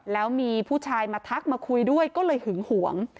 แล้วมีผู้ชายมาทักมาคุยด้วยก็เลยหึงหวง